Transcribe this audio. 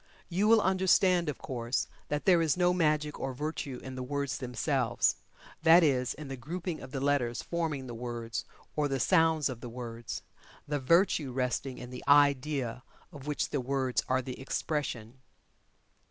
You will understand, of course, that there is no magic or virtue in the words themselves that is, in the grouping of the letters forming the words, or the sounds of the words the virtue resting in the idea of which the words are the expression.